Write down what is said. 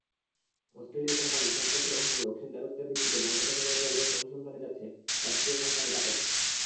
অস্ট্রেলীয় কোম্পানি স্যান্তোসের সঙ্গে অংশীদারত্বের ভিত্তিতে বঙ্গোপসাগরে তেল-গ্যাস অনুসন্ধানে যাচ্ছে রাষ্ট্রীয় কোম্পানি বাপেক্স।